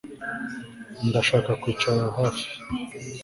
Ndashaka kwicara hafi